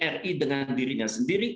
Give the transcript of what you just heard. ri dengan dirinya sendiri